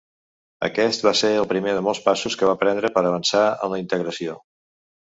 Aquest va ser el primer de molts passos que va prendre per avançar en la integració.